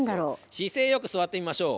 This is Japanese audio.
姿勢よく座ってみましょう。